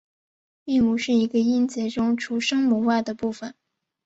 韵母是一个音节中除声母外的部分。